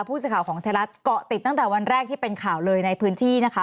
ผู้สื่อข่าวของไทยรัฐเกาะติดตั้งแต่วันแรกที่เป็นข่าวเลยในพื้นที่นะคะ